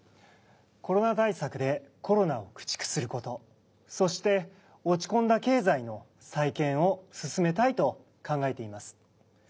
コロナ対策でコロナを駆逐する事そして落ち込んだ経済の再建を進めたいと考えています。